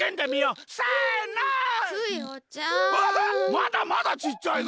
まだまだちっちゃいぞ？